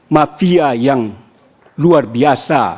mafia yang luar biasa